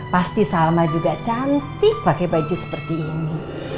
pasti salma juga cantik pakai baju seperti ini